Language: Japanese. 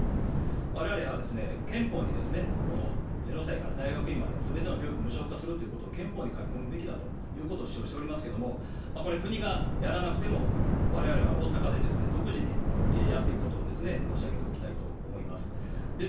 われわれは憲法に０歳から大学院まで、すべての教育無償化するということを憲法に書き込むべきだということを主張しておりますけれども、これ、国がやらなくても、われわれは大阪で、独自にやっていくことを申し上げておきたいと思います。